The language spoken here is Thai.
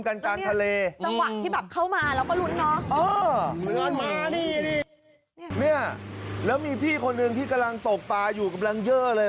กันกลางทะเลอืมอ๋อพี่แฟนแล้วมีพี่คนหนึ่งที่กำลังตกปลาอยู่กำลังเยอะเลย